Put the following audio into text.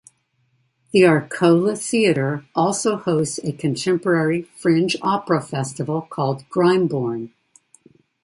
The Arcola Theatre also hosts a contemporary fringe opera festival called 'Grimeborn'.